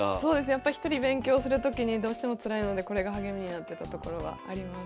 やっぱ一人勉強するときにどうしてもつらいのでこれが励みになってたところはあります。